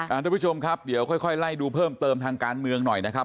ทุกผู้ชมครับเดี๋ยวค่อยค่อยไล่ดูเพิ่มเติมทางการเมืองหน่อยนะครับ